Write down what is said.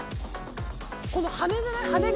この羽根じゃない？